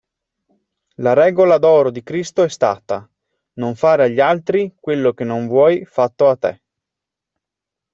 La regola d'oro di Cristo è stata: non fare agli altri quello che non vuoi fatto a te.